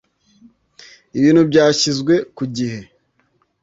ibintu byashyizwe ku gihe